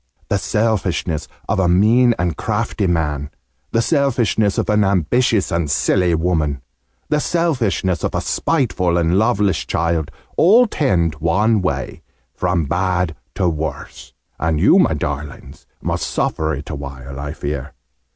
The selfishness of a mean and crafty man the selfishness of an ambitious and silly woman the selfishness of a spiteful and loveless child all tend one way, from bad to worse! And you, my darlings, must suffer it awhile, I fear.